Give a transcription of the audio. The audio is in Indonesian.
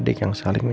dan beli ikut